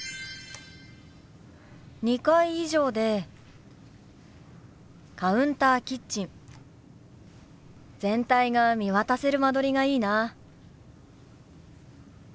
２階以上でカウンターキッチン全体が見渡せる間取りがいいな。